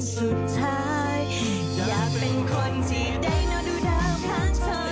และเอ็บอีทูเพียงเธอสุดล้ำคา